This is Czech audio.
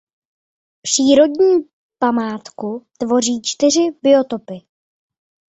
Přírodní památku tvoří čtyři biotopy.